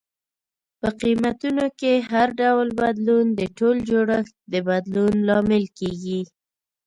په قیمتونو کې هر ډول بدلون د ټول جوړښت د بدلون لامل کیږي.